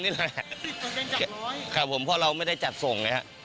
เอ้ยมันก็๑๐นี่แหละครับผมเพราะเราไม่ได้จัดส่งเลยฮะ